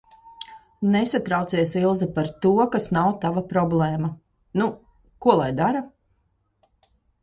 Nesatraucies, Ilze, par to, kas nav tava problēma! Nu, ko lai dara?